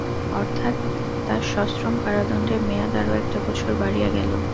অর্থাৎ, তার সশ্রম কারাদণ্ডের মেয়াদ আরো একটা বছর বাড়িয়া গেল।